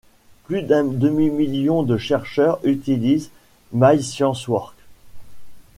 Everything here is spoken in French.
Plus d’un demi-million de chercheurs utilisent MyScienceWork.